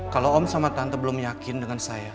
kalau om sama tante belum yakin dengan saya